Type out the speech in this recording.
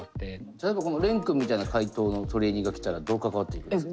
例えばこの廉くんみたいな回答のトレーニーが来たらどう関わっていくんですか？